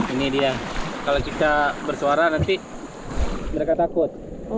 ini dia kalau kita bersuara nanti mereka takut